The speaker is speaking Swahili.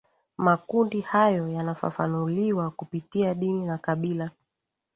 makundi hayo yanafafanuliwa kupitia dini na kabila